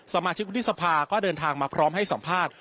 สมาชิกวุฒิสภาก็เดินทางมาพร้อมให้สัมภาษณ์